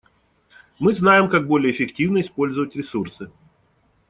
Мы знаем, как более эффективно использовать ресурсы.